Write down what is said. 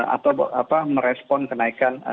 atau merespon kenaikan cukai